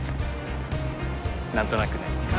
何となくね。